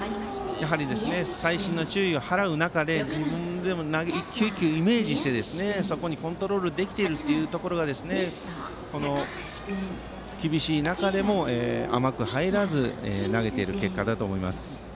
細心の注意を払う中で自分でも１球１球イメージしてそこにコントロールできているところが厳しい中でも甘く入らず投げている結果だと思います。